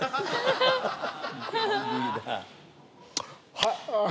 はい。